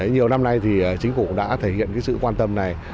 nhiều năm nay thì chính phủ đã thể hiện sự quan tâm này